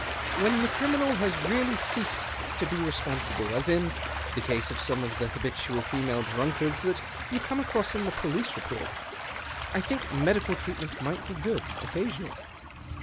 When the criminal has really ceased to be responsible — as in the case of some of the habitual female drunkards that you come across in the police reports — I think medical treatment might be good, occasionally.